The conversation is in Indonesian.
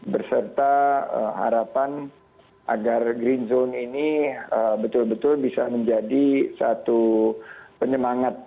berserta harapan agar green zone ini betul betul bisa menjadi satu penyemangat